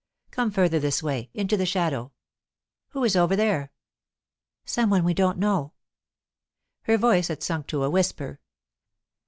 Come further this way, into the shadow. Who is over there?" "Some one we don't know." Her voice had sunk to a whisper.